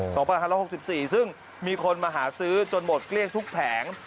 ๒๕๖๔ซึ่งมีคนมาหาซื้อจนหมดเกลี้ยงทุกแผง